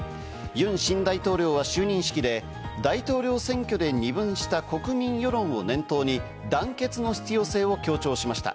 ユン新大統領は就任式で大統領選挙で二分した国民世論を念頭に、団結の必要性を強調しました。